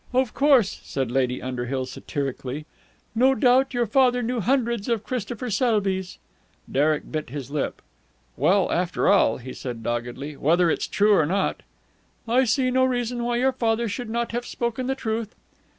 "Of course!" said Lady Underhill satirically. "No doubt your father knew hundreds of Christopher Selbys!" Derek bit his lip. "Well, after all," he said doggedly, "whether it's true or not...." "I see no reason why your father should not have spoken the truth."